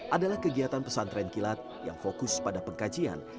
adalah kegiatan pesan tren kilat yang fokus pada pengkajian